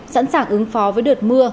sẵn sàng ứng phó với đợt mưa